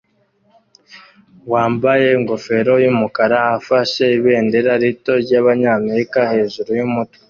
wambaye ingofero yumukara afashe ibendera rito ryabanyamerika hejuru yumutwe